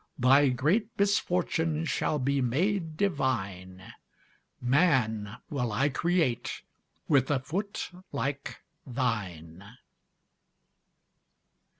Thy great misfortune shall be made divine: Man will I create with a foot like thine!"